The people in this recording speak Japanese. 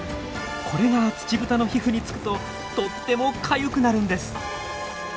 これがツチブタの皮膚につくととってもかゆくなるんです。